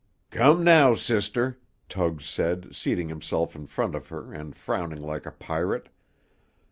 "Come now, sister," Tug said, seating himself in front of her, and frowning like a pirate.